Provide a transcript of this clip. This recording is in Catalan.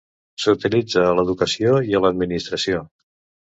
S'utilitza a l'educació i a l'administració.